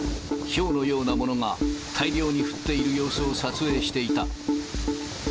ひょうのようなものが大量に降っている様子を撮影していた。